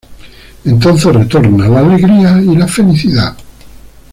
Entonces retorna la alegría y la felicidad.